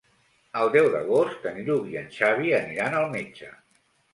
El deu d'agost en Lluc i en Xavi aniran al metge.